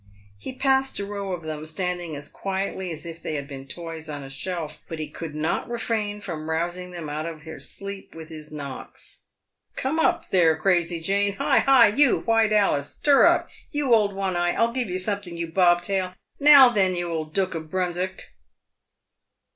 He passed a row of them, standing as quietly as if they had been toys on a shelf, but he could not refrain from rousing them out of their sleep with his knocks. " Come up, there, Crazy Jane !— hi ! hi ! you White Alice !— stir up, you Old One Eye — I'll give you something, you Bobtail— now then, you old Dook of Brunswick."